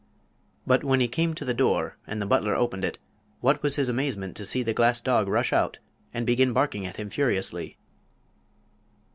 But when he came to the door and the butler opened it, what was his amazement to see the glass dog rush out and begin barking at him furiously.